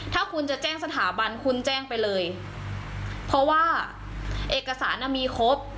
ถ้าคุณจะแจ้งสถาบันคุณแจ้งไปเลยเพราะว่าเอกสารน่ะมีครบ